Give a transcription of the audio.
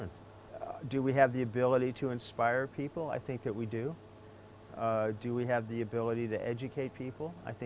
apakah kita memiliki kemampuan untuk mengajar orang saya pikir kita memiliki